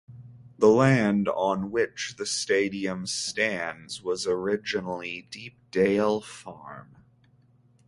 The land on which the stadium stands was originally Deepdale Farm.